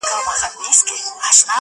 په فرانسې کي په يوه فابريکه کي کار کوي